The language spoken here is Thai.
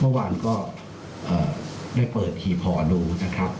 เมื่อวานก็ได้เปิดทีพอดูนะครับ